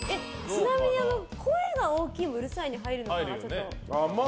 ちなみに声が大きいはうるさいに入るのかは。